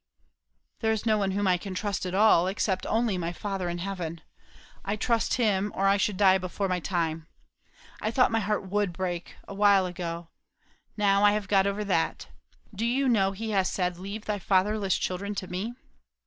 "There is no one whom I can trust at all. Except only my Father in heaven. I trust him, or I should die before my time. I thought my heart would break, a while ago; now I have got over that. Do you know He has said, 'Leave thy fatherless children to me'?"